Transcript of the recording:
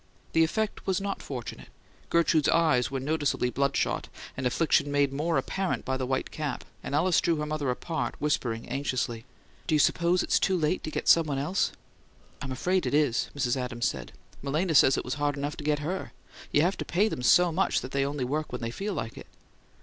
The effect was not fortunate; Gertrude's eyes were noticeably bloodshot, an affliction made more apparent by the white cap; and Alice drew her mother apart, whispering anxiously, "Do you suppose it's too late to get someone else?" "I'm afraid it is," Mrs. Adams said. "Malena says it was hard enough to get HER! You have to pay them so much that they only work when they feel like it."